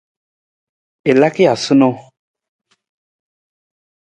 A laka ja sanang ?